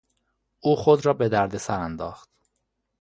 او خود را به دردسر انداخت.